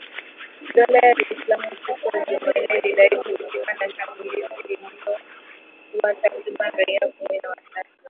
Dola ya Kiislamu siku ya Jumanne ilidai kuhusika na shambulizi lililoua takribani raia kumi na watano.